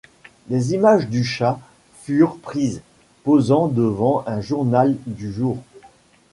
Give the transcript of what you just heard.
Des images du chat furent prises, posant devant un journal du jour.